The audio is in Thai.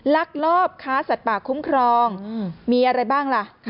ลักลอบค้าสัตว์ป่าคุ้มครองมีอะไรบ้างล่ะ